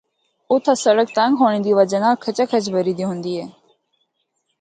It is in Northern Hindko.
اُتھا سڑک تنگ ہونڑے دی وجہ نال کھچاکھچ بھری دی ہوندی ہے۔